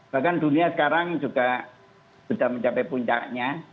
bahkan dunia sekarang juga sudah mencapai puncaknya